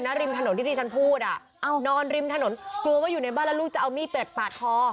ริมถนนที่ที่ฉันพูดอ่ะนอนริมถนนกลัวว่าอยู่ในบ้านแล้วลูกจะเอามีดเป็ดปาดคอ